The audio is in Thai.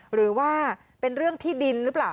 หรือว่าเป็นเรื่องที่ดินหรือเปล่า